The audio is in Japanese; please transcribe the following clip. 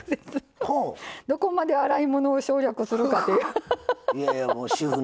どこまで洗い物を省略するかというははははっ。